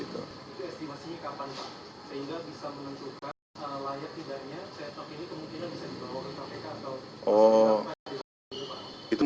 sehingga bisa menentukan layar tidaknya set up ini kemungkinan bisa dibawa ke kpk atau